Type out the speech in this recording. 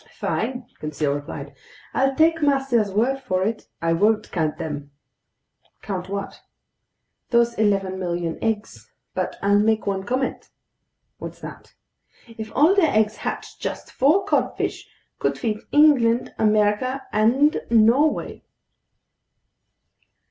"Fine," Conseil replied, "I'll take master's word for it. I won't count them." "Count what?" "Those 11,000,000 eggs. But I'll make one comment." "What's that?" "If all their eggs hatched, just four codfish could feed England, America, and Norway."